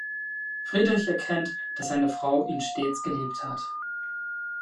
Friedrich erkennt, dass seine Frau ihn stets geliebt hat.